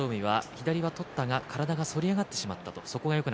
左は取ったが体がそり上がってしまった。